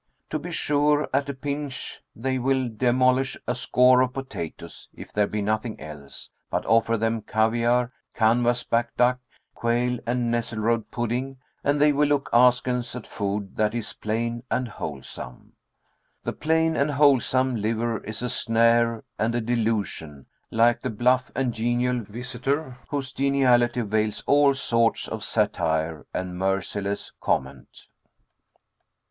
To be sure, at a pinch, they will demolish a score of potatoes, if there be nothing else; but offer them caviare, canvas back duck, quail, and nesselrode pudding, and they will look askance at food that is plain and wholesome. The "plain and wholesome" liver is a snare and a delusion, like the "bluff and genial" visitor whose geniality veils all sorts of satire and merciless comment.